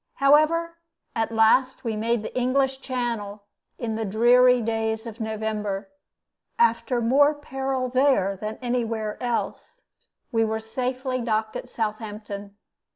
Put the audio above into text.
However, at last we made the English Channel, in the dreary days of November, and after more peril there than any where else, we were safely docked at Southampton.